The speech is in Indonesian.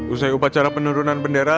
usai upacara penurunan bendera